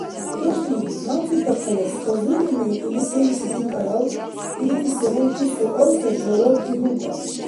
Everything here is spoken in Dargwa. ДурхӀни, гьанбикахъая сказуемое или селис бикӀарал, илини сегъунти суалтас жаваб лугал.